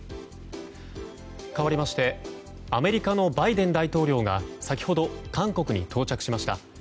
かわりまして、アメリカのバイデン大統領が先ほど韓国に到着しました。